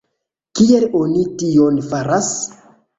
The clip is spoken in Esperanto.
Kiel oni tion faras?